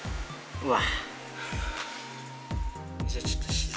うわ。